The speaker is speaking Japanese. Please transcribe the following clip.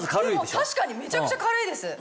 確かにめちゃくちゃ軽いです。